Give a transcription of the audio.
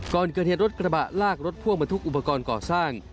ก่อนเกิดเหตุรถกระบะลากรถพ่วงมาทุกอุปกรณ์ก่อสร้าง